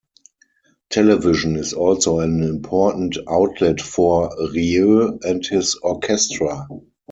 Television is also an important outlet for Rieu and his orchestra.